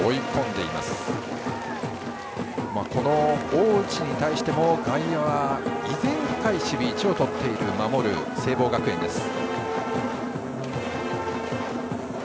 この大内に対しても外野は依然深い守備位置をとっている守る聖望学園です。